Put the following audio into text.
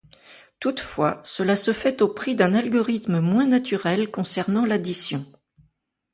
Toutefois, cela se fait au prix d'un algorithme moins naturel concernant l'addition.